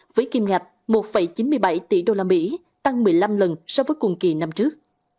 với kim ngạch một chín mươi bảy tỷ usd tăng một mươi năm lần so với cùng kỳ năm trước